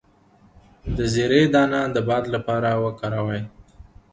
د زیرې دانه د باد لپاره وکاروئ